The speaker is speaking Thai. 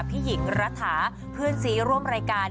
พี่หญิงรัฐาเพื่อนซีร่วมรายการ